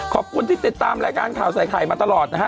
ขอบคุณที่ติดตามรายการข่าวใส่ไข่มาตลอดนะฮะ